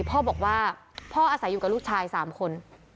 พ่อบอกว่าพ่ออาศัยอยู่กับลูกชาย๓คน